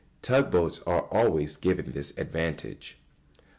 Tow boats are always given this advantage.